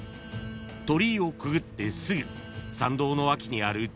［鳥居をくぐってすぐ参道の脇にある小さなお社］